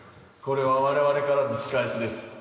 これは我々からの仕返しです。